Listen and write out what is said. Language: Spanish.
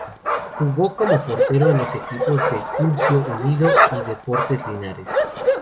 Jugó como portero en los equipos de Curicó Unido y Deportes Linares.